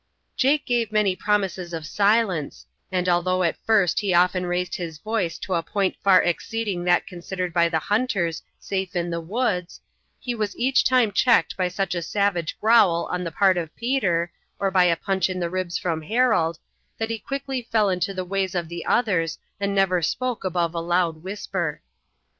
Jake gave many promises of silence, and although at first he often raised his voice to a point far exceeding that considered by the hunters safe in the woods, he was each time checked by such a savage growl on the part of Peter, or by a punch in the ribs from Harold, that he quickly fell into the ways of the others and never spoke above a loud whisper.